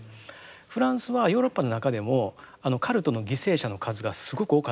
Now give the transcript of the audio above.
フランスはヨーロッパの中でもカルトの犠牲者の数がすごく多かったんです。